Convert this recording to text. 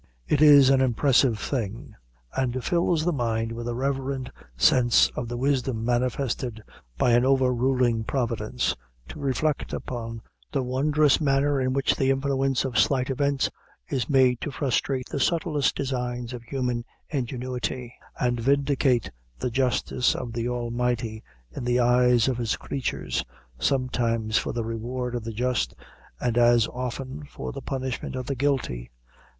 It is an impressive thing; and fills the mind with a reverend sense of the wisdom manifested by an over ruling Providence, to reflect upon the wondrous manner in which the influence of slight incidents is made to frustrate the subtlest designs of human ingenuity, and vindicate the justice of the Almighty in the eyes of his creatures, sometimes for the reward of the just, and as often for the punishment of the guilty.